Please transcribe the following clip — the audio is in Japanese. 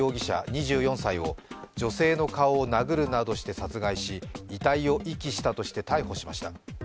２４歳を、女性の顔を殴るなどして殺害し遺体を遺棄したとして逮捕しました。